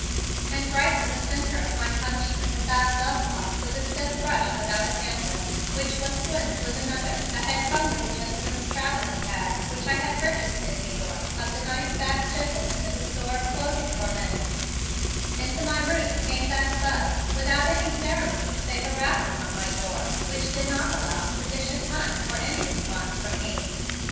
And right in the center of my punishment of that lovelock with the stiff brush without a handle, which was twins with another that had come with the gentleman's traveling bag which I had purchased in New York of the nice fat gentleman in the store of clothing for men, into my room came that Buzz without any ceremony save a rap upon my door which did not allow sufficient time for any response from me.